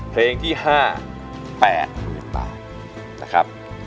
เพลงที่ห้าแปดรูปต่อนะครับ